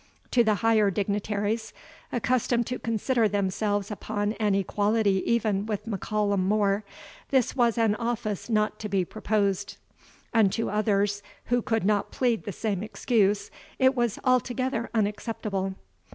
To the higher dignitaries, accustomed to consider themselves upon an equality even with M'Callum More, this was an office not to be proposed; unto others who could not plead the same excuse, it was altogether unacceptable.